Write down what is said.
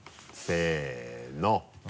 せの。